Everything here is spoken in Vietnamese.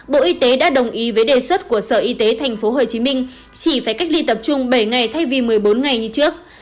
bộ y tế đã đồng ý với đề xuất của sở y tế tp hcm chỉ phải cách ly tập trung bảy ngày thay vì một mươi bốn ngày như trước